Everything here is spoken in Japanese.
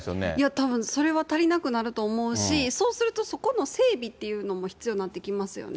たぶんそれは足りなくなると思いますし、そうすると、そこの整備っていうのも必要になってきますよね。